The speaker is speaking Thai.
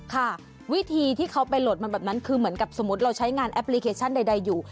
ค่ะวิธีที่เขาไปโหลดมันแบบนั้นคือเหมือนกับสมมุติเราใช้งานแอปพลิเคชันใดอยู่